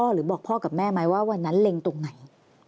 หรือบอกพ่อกับแม่ไหมว่าวันนั้นเล็งตรงไหน